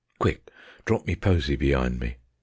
Quick! Drop me posy be'ind me.